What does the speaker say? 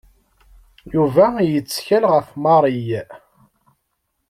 Yuba yettkal ɣef Mary.